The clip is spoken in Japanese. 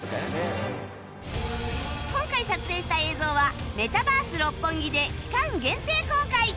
今回撮影した映像はメタバース六本木で期間限定公開